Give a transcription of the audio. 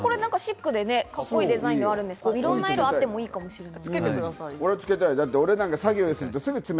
シックでカッコいいデザインではあるんですが、いろんな色があってもいいかもしれません。